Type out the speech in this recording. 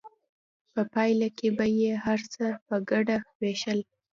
په پایله کې به یې هر څه په ګډه ویشل.